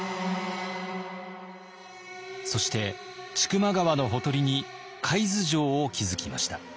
そして千曲川のほとりに海津城を築きました。